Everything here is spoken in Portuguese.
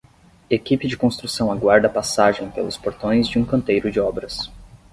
Equipe de construção aguarda passagem pelos portões de um canteiro de obras.